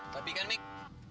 tapi kan mik